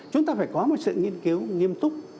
chúng ta phải có một sự nghiên cứu nghiêm túc